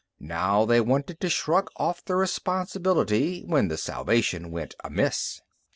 Now they wanted to shrug off the responsibility when the salvation went amiss.